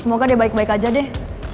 semoga dia baik baik aja deh